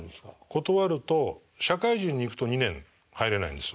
断ると社会人に行くと２年入れないんです。